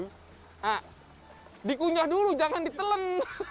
nah dikunyah dulu jangan ditelen